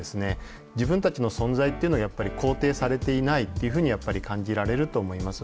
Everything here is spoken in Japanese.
自分たちの存在っていうのをやっぱり肯定されていないっていうふうにやっぱり感じられると思います。